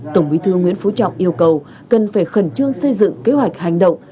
tổng bí thư nguyễn phú trọng yêu cầu cần phải khẩn trương xây dựng kế hoạch hành động